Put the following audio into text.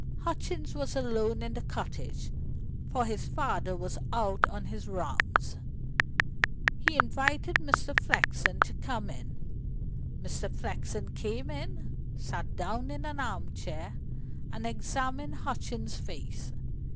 Hutchings was alone in the cottage, for his father was out on his rounds. He invited Mr. Flexen to come in. Mr. Flexen came in, sat down in an arm chair, and examined Hutchings' face.